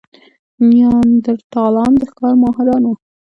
نیاندرتالان د ښکار ماهران وو.